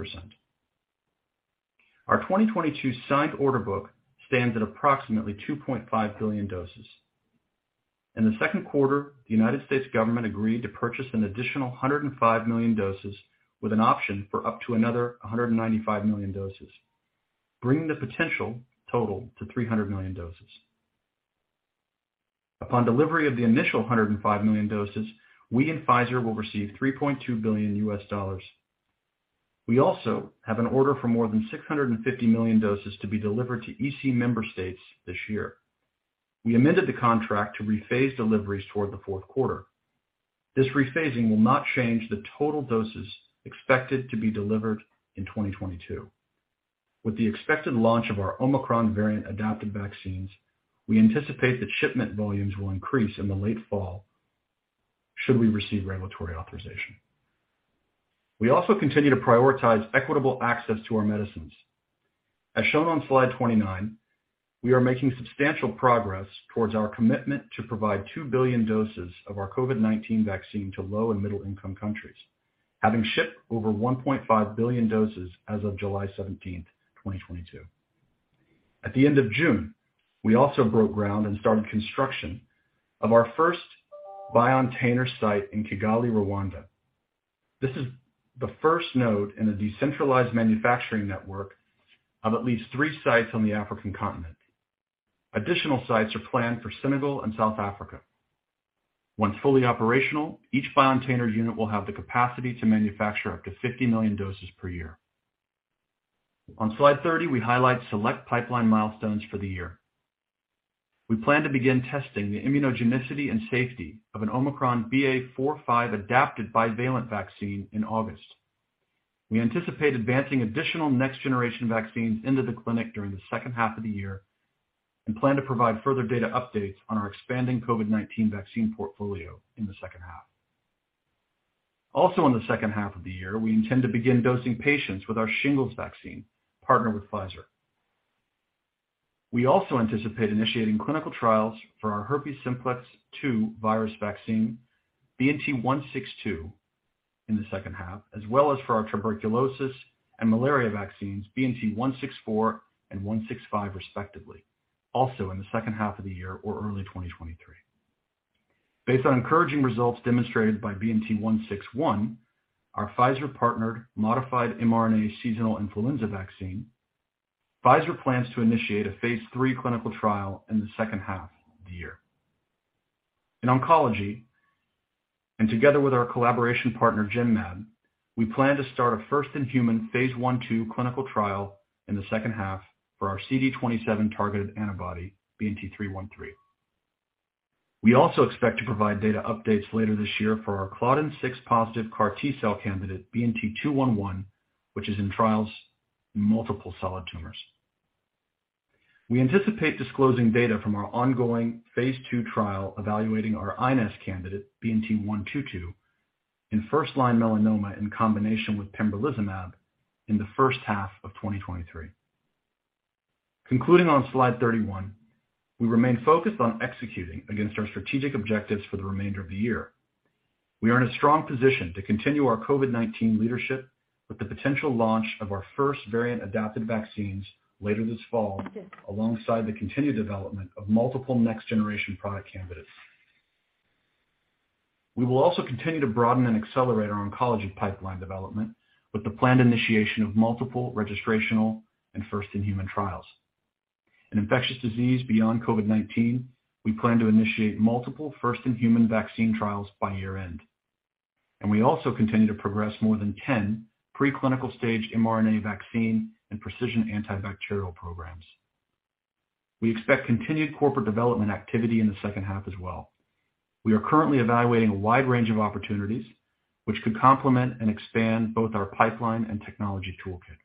Our 2022 signed order book stands at approximately 2.5 billion doses. In the second quarter, the U.S. government agreed to purchase an additional 105 million doses with an option for up to another 195 million doses, bringing the potential total to 300 million doses. Upon delivery of the initial 105 million doses, we and Pfizer will receive $3.2 billion. We also have an order for more than 650 million doses to be delivered to EC member states this year. We amended the contract to rephase deliveries toward the fourth quarter. This rephasing will not change the total doses expected to be delivered in 2022. With the expected launch of our Omicron variant-adapted vaccines, we anticipate that shipment volumes will increase in the late fall should we receive regulatory authorization. We also continue to prioritize equitable access to our medicines. As shown on slide 29, we are making substantial progress towards our commitment to provide 2 billion doses of our COVID-19 vaccine to low and middle income countries, having shipped over 1.5 billion doses as of July 17, 2022. At the end of June, we also broke ground and started construction of our first BioNTainer site in Kigali, Rwanda. This is the first node in a decentralized manufacturing network of at least three sites on the African continent. Additional sites are planned for Senegal and South Africa. Once fully operational, each BioNTainer unit will have the capacity to manufacture up to 50 million doses per year. On slide 30, we highlight select pipeline milestones for the year. We plan to begin testing the immunogenicity and safety of an Omicron BA.4/5 adapted bivalent vaccine in August. We anticipate advancing additional next generation vaccines into the clinic during the second half of the year, and plan to provide further data updates on our expanding COVID-19 vaccine portfolio in the second half. Also in the second half of the year, we intend to begin dosing patients with our shingles vaccine partnered with Pfizer. We also anticipate initiating clinical trials for our herpes simplex two virus vaccine BNT162 in the second half, as well as for our tuberculosis and malaria vaccines BNT164 and BNT165 respectively, also in the second half of the year or early 2023. Based on encouraging results demonstrated by BNT161, our Pfizer partnered modified mRNA seasonal influenza vaccine, Pfizer plans to initiate a phase III clinical trial in the second half of the year. In oncology, together with our collaboration partner, Genmab, we plan to start a first-in-human phase I/II clinical trial in the second half for our CD27 targeted antibody BNT313. We also expect to provide data updates later this year for our CLDN6 positive CAR T-cell candidate BNT211, which is in trials in multiple solid tumors. We anticipate disclosing data from our ongoing phase II trial evaluating our iNeST candidate BNT122 in first-line melanoma in combination with pembrolizumab in the first half of 2023. Concluding on slide 31, we remain focused on executing against our strategic objectives for the remainder of the year. We are in a strong position to continue our COVID-19 leadership with the potential launch of our first variant-adapted vaccines later this fall, alongside the continued development of multiple next-generation product candidates. We will also continue to broaden and accelerate our oncology pipeline development with the planned initiation of multiple registrational and first-in-human trials. In infectious disease beyond COVID-19, we plan to initiate multiple first-in-human vaccine trials by year-end, and we also continue to progress more than 10 pre-clinical stage mRNA vaccine and precision antibacterial programs. We expect continued corporate development activity in the second half as well. We are currently evaluating a wide range of opportunities which could complement and expand both our pipeline and technology toolkit.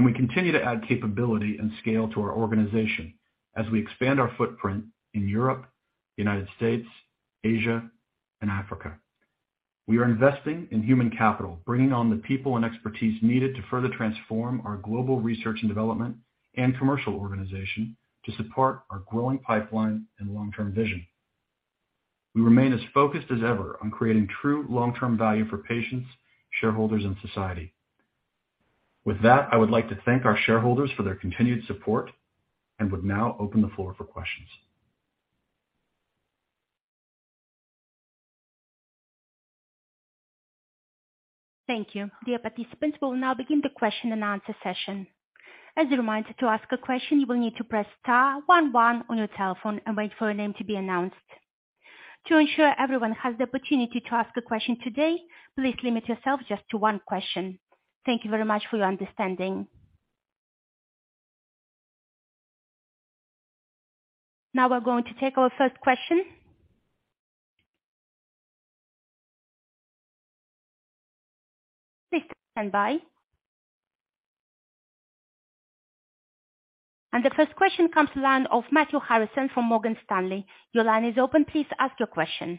We continue to add capability and scale to our organization as we expand our footprint in Europe, United States, Asia and Africa. We are investing in human capital, bringing on the people and expertise needed to further transform our global research and development and commercial organization to support our growing pipeline and long-term vision. We remain as focused as ever on creating true long-term value for patients, shareholders and society. With that, I would like to thank our shareholders for their continued support and would now open the floor for questions. Thank you. Dear participants, we will now begin the question-and-answer session. As a reminder, to ask a question, you will need to press star one one on your telephone and wait for your name to be announced. To ensure everyone has the opportunity to ask a question today, please limit yourself just to one question. Thank you very much for your understanding. Now we're going to take our first question. Please stand by. The first question comes to the line of Matthew Harrison from Morgan Stanley. Your line is open. Please ask your question.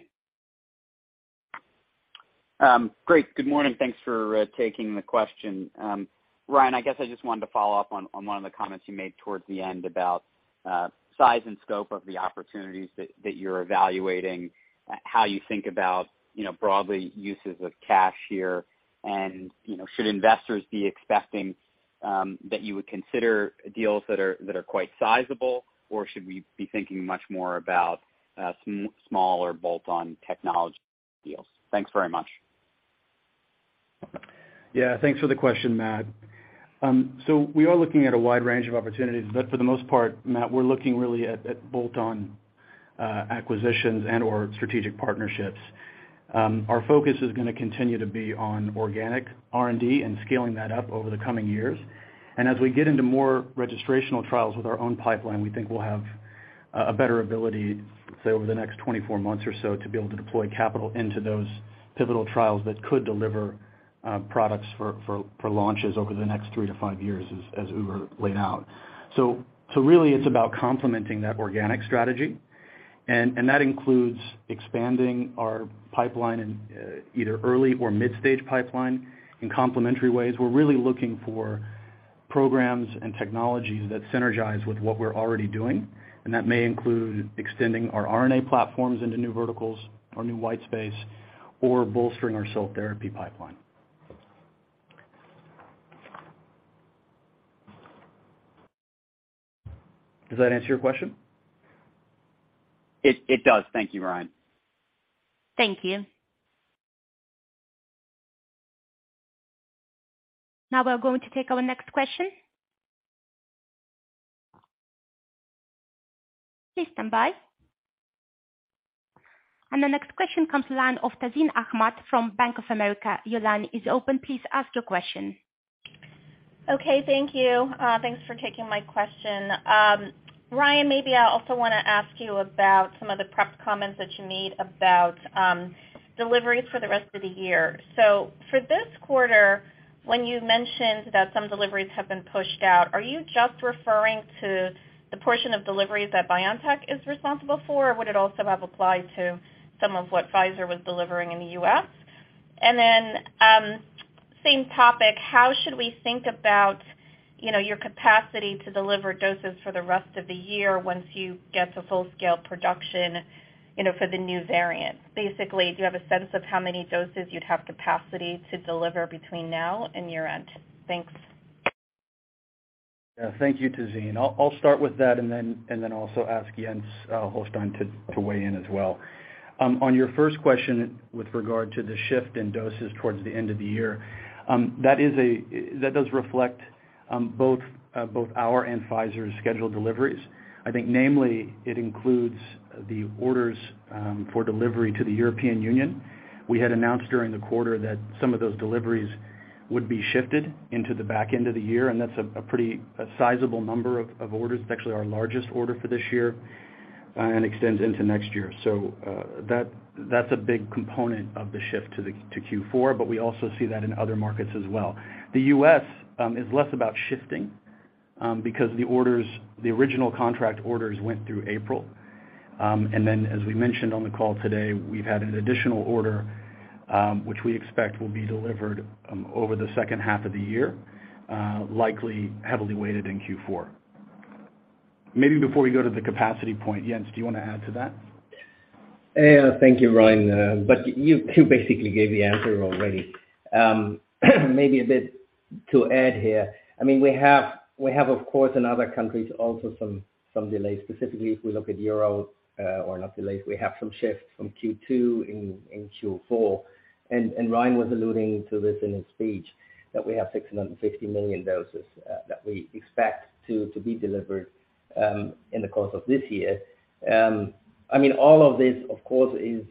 Great. Good morning. Thanks for taking the question. Ryan, I guess I just wanted to follow up on one of the comments you made towards the end about size and scope of the opportunities that you're evaluating, how you think about, you know, broad use of cash here. You know, should investors be expecting that you would consider deals that are quite sizable, or should we be thinking much more about smaller bolt-on technology deals? Thanks very much. Yeah, thanks for the question, Matt. We are looking at a wide range of opportunities, but for the most part, Matt, we're looking really at bolt-on acquisitions and/or strategic partnerships. Our focus is gonna continue to be on organic R&D and scaling that up over the coming years. As we get into more registrational trials with our own pipeline, we think we'll have a better ability, say over the next 24 months or so, to be able to deploy capital into those pivotal trials that could deliver products for launches over the next three to five years as Ugur laid out. Really it's about complementing that organic strategy and that includes expanding our pipeline in either early or mid-stage pipeline in complementary ways. We're really looking for programs and technologies that synergize with what we're already doing, and that may include extending our RNA platforms into new verticals or new white space or bolstering our cell therapy pipeline. Does that answer your question? It does. Thank you, Ryan. Thank you. Now we're going to take our next question. Please stand by. The next question comes from the line of Tazeen Ahmad from Bank of America. Your line is open. Please ask your question. Okay, thank you. Thanks for taking my question. Ryan, maybe I also wanna ask you about some of the prep comments that you made about deliveries for the rest of the year. For this quarter, when you mentioned that some deliveries have been pushed out, are you just referring to the portion of deliveries that BioNTech is responsible for, or would it also have applied to some of what Pfizer was delivering in the U.S.? Same topic, how should we think about your capacity to deliver doses for the rest of the year once you get to full scale production, you know, for the new variant? Basically, do you have a sense of how many doses you'd have capacity to deliver between now and year-end? Thanks. Yeah, thank you, Tazeen. I'll start with that and then also ask Jens Holstein to weigh in as well. On your first question with regard to the shift in doses towards the end of the year, that does reflect both our and Pfizer's scheduled deliveries. I think namely it includes the orders for delivery to the European Union. We had announced during the quarter that some of those deliveries would be shifted into the back end of the year, and that's a pretty sizable number of orders. It's actually our largest order for this year and extends into next year. So, that's a big component of the shift to Q4, but we also see that in other markets as well. The U.S. is less about shifting, because the orders, the original contract orders went through April. As we mentioned on the call today, we've had an additional order, which we expect will be delivered over the second half of the year, likely heavily weighted in Q4. Maybe before we go to the capacity point, Jens, do you wanna add to that? Yeah. Thank you, Ryan. You basically gave the answer already. Maybe a bit to add here. I mean, we have, of course, in other countries also some delays, specifically if we look at Europe, or not delays, we have some shifts from Q2 in Q4. Ryan was alluding to this in his speech, that we have 650 million doses that we expect to be delivered in the course of this year. I mean, all of this, of course, is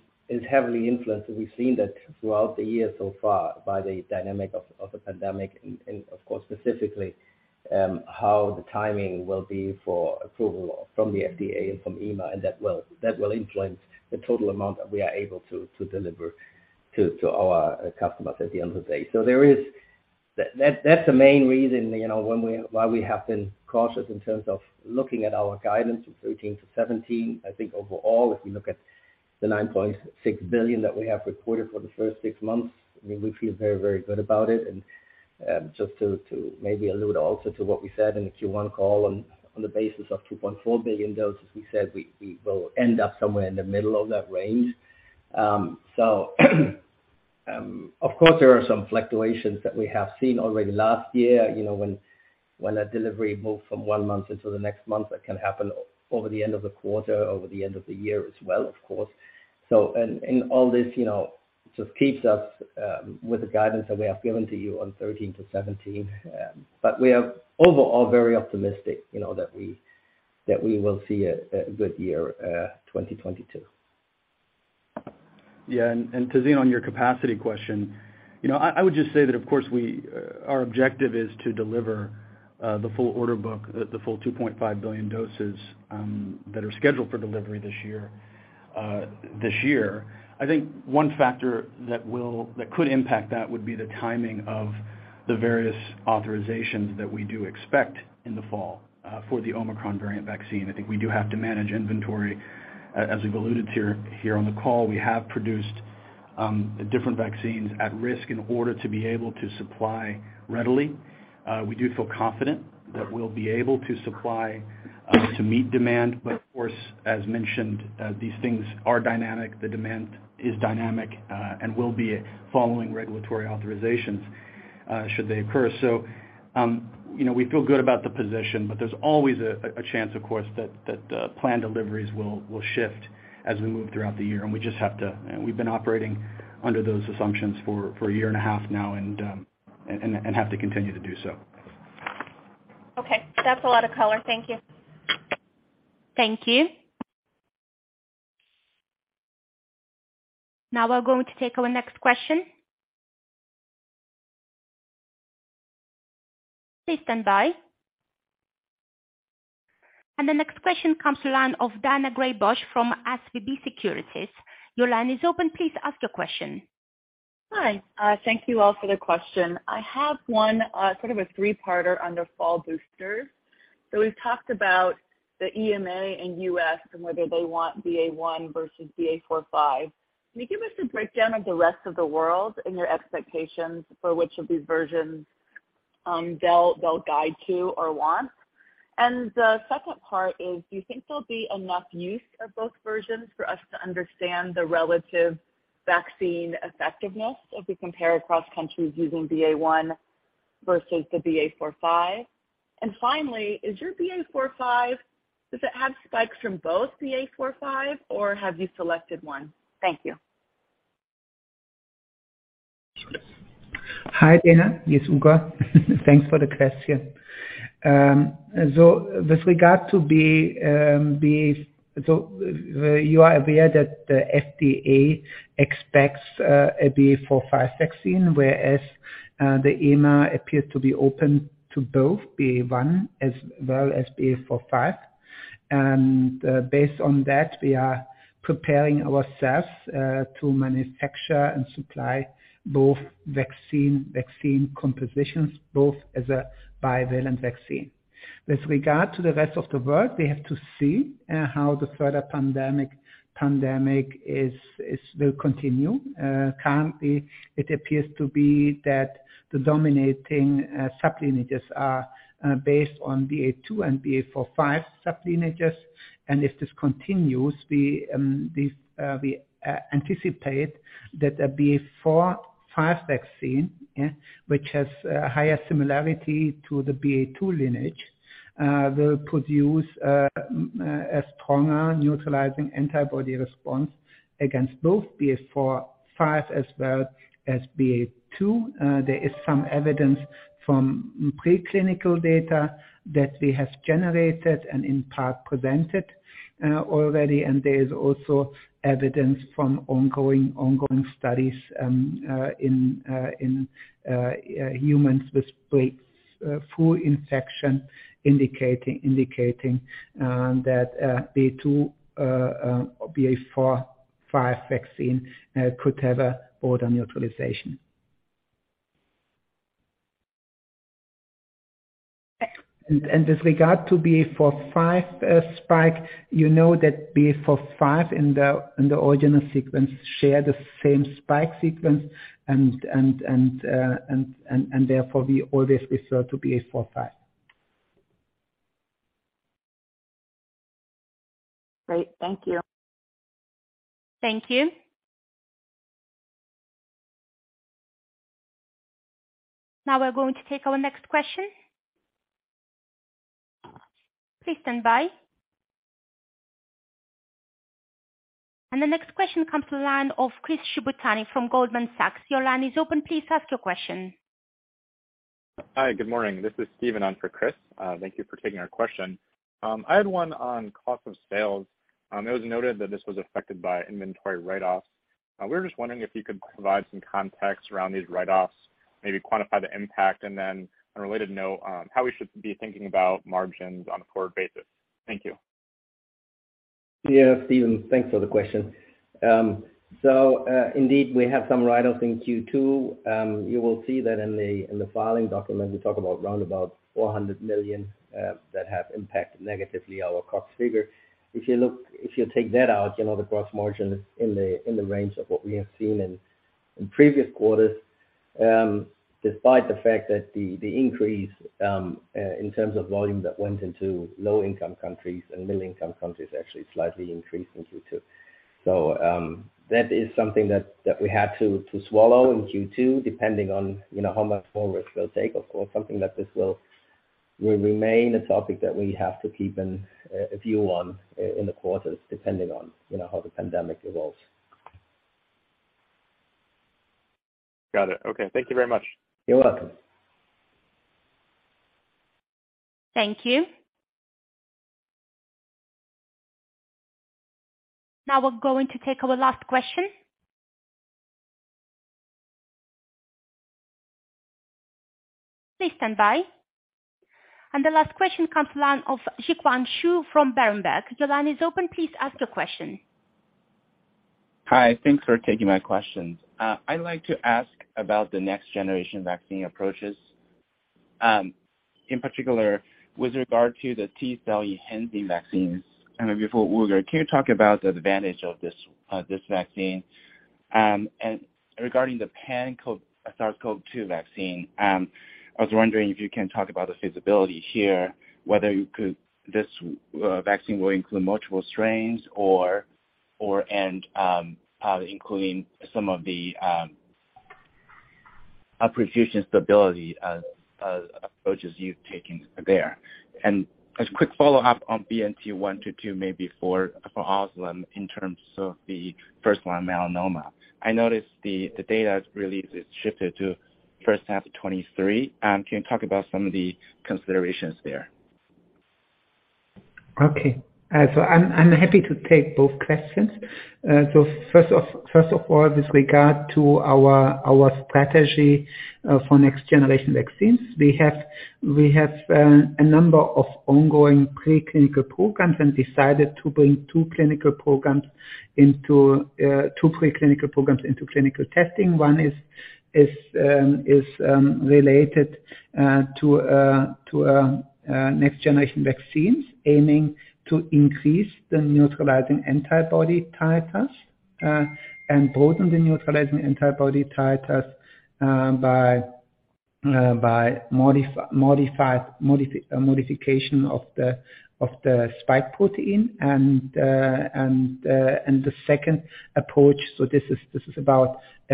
heavily influenced, and we've seen that throughout the year so far, by the dynamic of the pandemic and, of course specifically, how the timing will be for approval from the FDA and from EMA, and that will influence the total amount that we are able to deliver to our customers at the end of the day. That's the main reason, you know, why we have been cautious in terms of looking at our guidance from 13 billion-17 billion. I think overall, if you look at the 9.6 billion that we have reported for the first six months, I mean, we feel very, very good about it. Just to maybe allude also to what we said in the Q1 call on the basis of 2.4 billion doses, we said we will end up somewhere in the middle of that range. Of course there are some fluctuations that we have seen already last year, you know, when a delivery moved from one month into the next month, that can happen over the end of the quarter, over the end of the year as well, of course. All this, you know, just keeps us with the guidance that we have given to you on 13 billion-17 billion. We are overall very optimistic, you know, that we will see a good year, 2022. Yeah. Tazeen, on your capacity question, you know, I would just say that of course we our objective is to deliver the full order book, the full 2.5 billion doses that are scheduled for delivery this year. I think one factor that could impact that would be the timing of the various authorizations that we do expect in the fall for the Omicron variant vaccine. I think we do have to manage inventory. As we've alluded to here on the call, we have produced different vaccines at risk in order to be able to supply readily. We do feel confident that we'll be able to supply to meet demand. Of course, as mentioned, these things are dynamic, the demand is dynamic, and will be following regulatory authorizations, should they occur. You know, we feel good about the position, but there's always a chance of course that planned deliveries will shift as we move throughout the year, and we just have to. You know, we've been operating under those assumptions for a year and a half now and have to continue to do so. Okay, that's a lot of color. Thank you. Thank you. Now we're going to take our next question. Please stand by. The next question comes from the line of Daina Graybosch from SVB Securities. Your line is open. Please ask your question. Hi. Thank you all for the question. I have one, sort of a three-parter under fall boosters. We've talked about the EMA and U.S. and whether they want BA.1 versus BA.4/5. Can you give us a breakdown of the rest of the world and your expectations for which of these versions they'll guide to or want? The second part is, do you think there'll be enough use of both versions for us to understand the relative vaccine effectiveness if we compare across countries using BA.1 versus the BA.4/5? Finally, is your BA.4/5, does it have spikes from both BA.4/5 or have you selected one? Thank you. Hi, Daina. It's Ugur. Thanks for the question. You are aware that the FDA expects a BA.4/5 vaccine, whereas the EMA appears to be open to both BA.1 as well as BA.4/5. Based on that, we are preparing ourselves to manufacture and supply both vaccine compositions, both as a bivalent vaccine. With regard to the rest of the world, we have to see how the further pandemic will continue. Currently it appears to be that the dominating sublineages are based on BA.2 and BA.4/5 sublineages. If this continues, we anticipate that a BA.4/5 vaccine, yeah, which has a higher similarity to the BA.2 lineage, will produce a stronger neutralizing antibody response against both BA.4/5 as well as BA.2. There is some evidence from preclinical data that we have generated and in part presented already. There is also evidence from ongoing studies in humans with breakthrough infection indicating that BA.2 or BA.4/5 vaccine could have a broader neutralization. With regard to BA.4/5, you know that BA.4/5 and the original sequence share the same spike sequence and therefore we always refer to BA.4/5. Great. Thank you. Thank you. Now we're going to take our next question. Please stand by. The next question comes to the line of Chris Shibutani from Goldman Sachs. Your line is open. Please ask your question. Hi. Good morning. This is Steven on for Chris. Thank you for taking our question. I had one on cost of sales. It was noted that this was affected by inventory write-offs. We were just wondering if you could provide some context around these write-offs, maybe quantify the impact. On a related note, how we should be thinking about margins on a forward basis. Thank you. Yeah, Steven, thanks for the question. So, indeed, we have some write-offs in Q2. You will see that in the filing document, we talk about around about 400 million that have impacted negatively our cost figure. If you look, if you take that out, you know, the gross margin is in the range of what we have seen in previous quarters. Despite the fact that the increase in terms of volume that went into low income countries and middle income countries actually slightly increased in Q2. That is something that we had to swallow in Q2, depending on, you know, how much forward this will take or something that this will remain a topic that we have to keep an eye on in the quarters, depending on, you know, how the pandemic evolves. Got it. Okay. Thank you very much. You're welcome. Thank you. Now we're going to take our last question. Please stand by. The last question comes to line of Zhiqiang Shu from Berenberg. Your line is open. Please ask your question. Hi. Thanks for taking my questions. I'd like to ask about the next generation vaccine approaches, in particular with regard to the T-cell enhancing vaccines. Before, Ugur, can you talk about the advantage of this vaccine? Regarding the pan-coronavirus SARS-CoV-2 vaccine, I was wondering if you can talk about the feasibility here, whether this vaccine will include multiple strains or and, including some of the operational stability approaches you've taken there. A quick follow-up on BNT122 maybe for Özlem in terms of the first-line melanoma. I noticed the data is shifted to first half of 2023. Can you talk about some of the considerations there? Okay. So I'm happy to take both questions. First of all, with regard to our strategy for next-generation vaccines, we have a number of ongoing pre-clinical programs and decided to bring two pre-clinical programs into clinical testing. One is related to next-generation vaccines aiming to increase the neutralizing antibody titers and broaden the neutralizing antibody titers by modification of the spike protein. The second approach is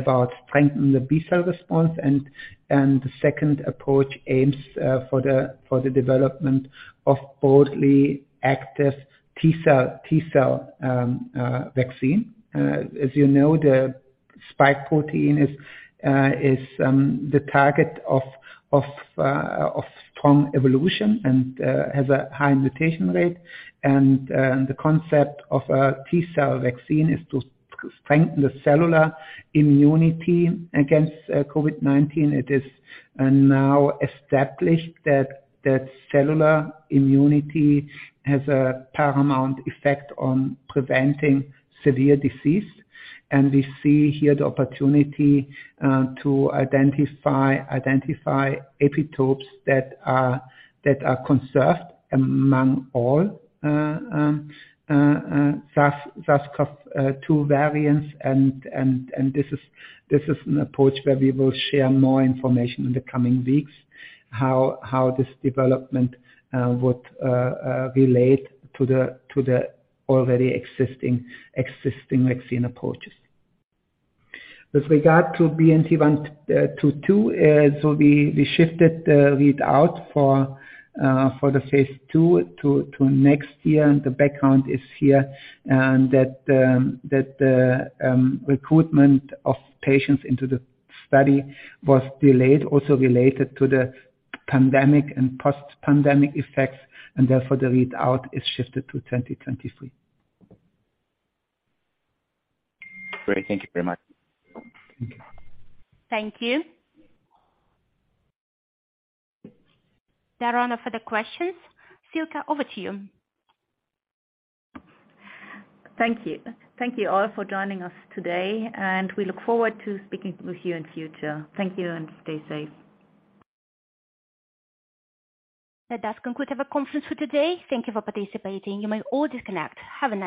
about strengthening the B-cell response, and the second approach aims for the development of broadly active T-cell vaccine. As you know, the spike protein is the target of strong evolution and has a high mutation rate. The concept of a T-cell vaccine is to strengthen the cellular immunity against COVID-19. It is now established that cellular immunity has a paramount effect on preventing severe disease. We see here the opportunity to identify epitopes that are conserved among all SARS-CoV-2 variants. This is an approach where we will share more information in the coming weeks how this development would relate to the already existing vaccine approaches. With regard to BNT122, we shifted the readout for the phase II to next year. The background is here, and that the recruitment of patients into the study was delayed, also related to the pandemic and post-pandemic effects, and therefore the readout is shifted to 2023. Great. Thank you very much. Thank you. There are no further questions. Sylke, over to you. Thank you. Thank you all for joining us today, and we look forward to speaking with you in future. Thank you, and stay safe. That does conclude our conference for today. Thank you for participating. You may all disconnect. Have a nice day.